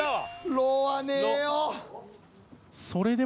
「ろ」はねえよ！